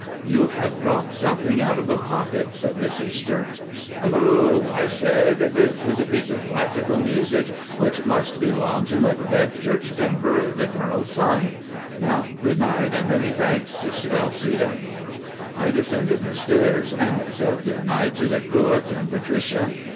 "You have dropped something out of the pocket," said the Sister. "Hullo," I said, "this is a piece of classical music which must belong to Macbeth Churchtimber, the Colonel's son. Now, good night, and many thanks, Sister Elfreda." I descended the stairs and said good night to the Cruets and Patricia.